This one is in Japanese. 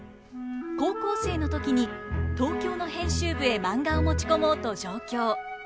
高校生の時に東京の編集部へマンガを持ち込もうと上京。